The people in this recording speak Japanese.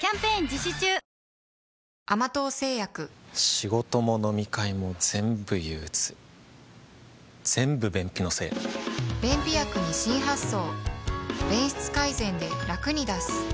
仕事も飲み会もぜんぶ憂鬱ぜんぶ便秘のせい便秘薬に新発想